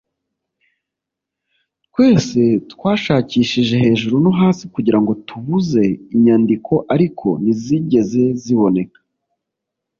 Twese twashakishije hejuru no hasi kugirango tubuze inyandiko ariko ntizigeze ziboneka